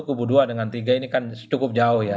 kubu dua dengan tiga ini kan cukup jauh ya